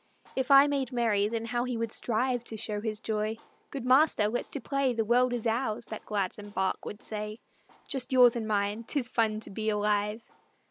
If I made merry then how he would strive To show his joy; "Good master, let's to play, The world is ours," that gladsome bark would say; "Just yours and mine 'tis fun to be alive!"